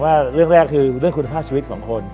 ว่าเรื่องแรกคือเรื่องคุณภาพชีวิตของคน